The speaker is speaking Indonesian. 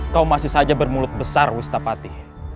kau masih saja bermulut besar wistapati